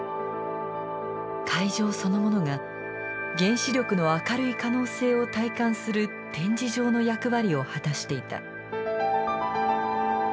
会場そのものが原子力の明るい可能性を体感する展示場の役割を果たしていた。